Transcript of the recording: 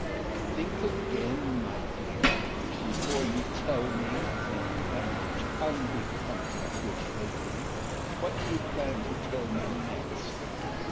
"Think again, My dear, before you tell me, in a language unbecoming To a lady, what you plan to tell me next.